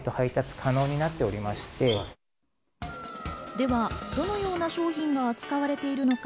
では、どのような商品が扱われているのか。